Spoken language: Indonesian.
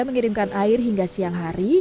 mengirimkan air hingga siang hari